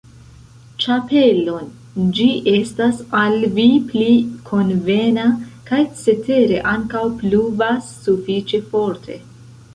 ĉapelon, ĝi estas al vi pli konvena, kaj cetere ankaŭ pluvas sufiĉe forte.